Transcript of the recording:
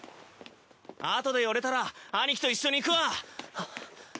後で寄れたらアニキと一緒に行くわ！